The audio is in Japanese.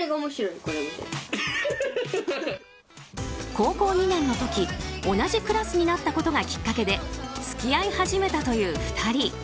高校２年の時同じクラスになったことがきっかけで付き合い始めたという２人。